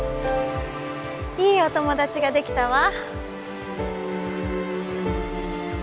いいお友達ができたわ